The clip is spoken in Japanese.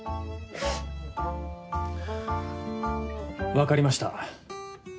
わかりました。